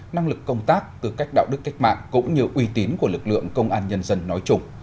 năng lực công tác tư cách đạo đức cách mạng cũng như uy tín của lực lượng công an nhân dân nói chung